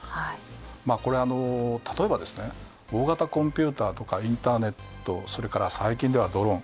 これ、例えば大型コンピューターとかインターネット、それから最近ではドローン。